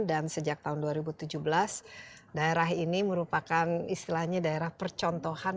dan sejak tahun dua ribu tujuh belas daerah ini merupakan istilahnya daerah percontohan